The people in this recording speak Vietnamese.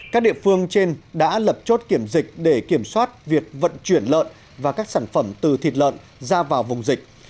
các địa phương trên đã lập chốt kiểm dịch để kiểm soát việc vận chuyển lợn và các sản phẩm từ thịt lợn ra vào vùng dịch